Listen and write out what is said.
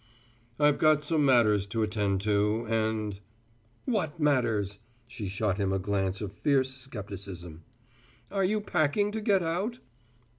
"I've got some matters to attend to, and " "What matters?" She shot him a glance of fierce skepticism. "Are you packing to get out?"